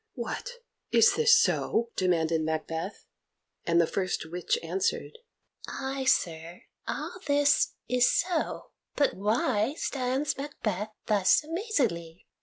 "What, is this so?" demanded Macbeth, and the first witch answered: "Ay, sir, all this is so; but why Stands Macbeth thus amazedly?